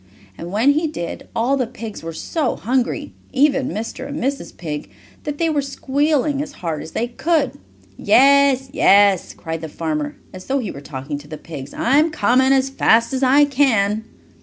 And when he did, all the pigs were so hungry, even Mr. and Mrs. Pig, that they were squealing as hard as they could. "Yes, yes!" cried the farmer, as though he were talking to the pigs. "I'm coming as fast as I can."